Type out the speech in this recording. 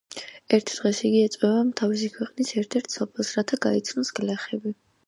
ერთ დღეს იგი ეწვევა თავისი ქვეყნის ერთ-ერთ სოფელს, რათა გაიცნოს გლეხები.